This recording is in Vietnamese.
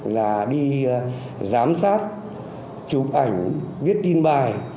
là đi giám sát chụp ảnh viết tin bài